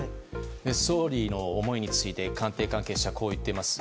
総理の思いについて官邸関係者はこう言っています。